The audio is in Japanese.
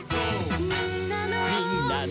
「みんなの」